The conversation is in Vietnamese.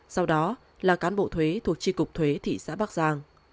sau đó là cán bộ thuế thuộc tri cục thuế thị xã bắc giang